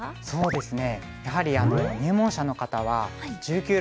そうですね。